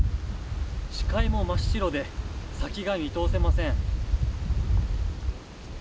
視界も真っ白で先が見通せません。